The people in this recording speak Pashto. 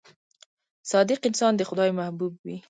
• صادق انسان د خدای محبوب وي.